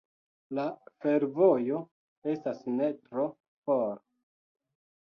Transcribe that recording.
La fervojo estas ne tro for.